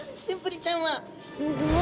すごい。